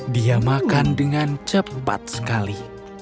dia makan dengan cepat sekali